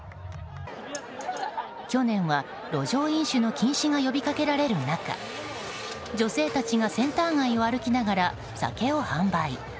去年は、路上飲酒の禁止が呼びかけられる中女性たちがセンター街を歩きながら酒を販売。